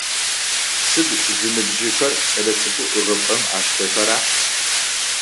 Сыд зыныбжьыхэр кӏэлэцӏыкӏу ӏыгъыпӏэм аштэхэра?